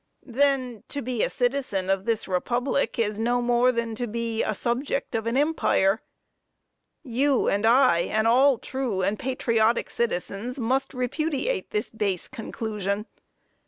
Then, to be a citizen of this republic, is no more than to be a subject of an empire. You and I, and all true and patriotic citizens must repudiate this base conclusion.